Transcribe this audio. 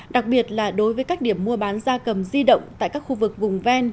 đặc biệt là đối với các điểm mua bán da cầm di động tại các khu vực vùng ven